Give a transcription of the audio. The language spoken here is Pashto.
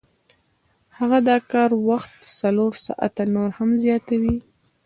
هغه د کار وخت څلور ساعته نور هم زیاتوي